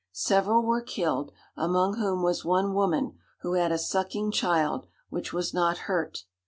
Several were killed, among whom was one woman, who had a sucking child, which was not hurt.